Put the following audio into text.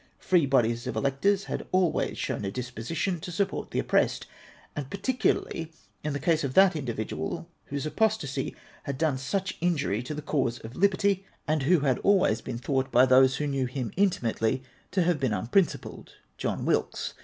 Free bodies of electors had alwa3'^s shown a disposition to support the oppressed, and particularly in the case of that individual whose apostacy had done such injury to the cause of liberty, and who had always been thought by those who knew him intimately, to have been unprincipled — John Wilkes.